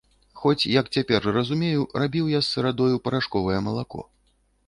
Хоць, як цяпер разумею, рабіў я з сырадою парашковае малако.